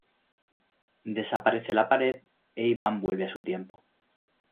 Desaparece la pared e Iván vuelve a su tiempo.